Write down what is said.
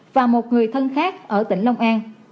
và một người thân khác ở tỉnh long an